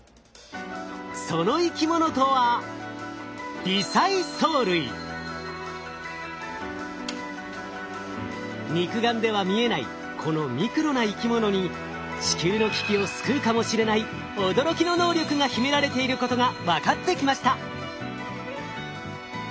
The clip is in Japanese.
その生き物とは肉眼では見えないこのミクロな生き物に地球の危機を救うかもしれない驚きの能力が秘められていることが分かってきました。